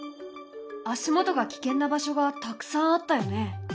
足元が危険な場所がたくさんあったよね。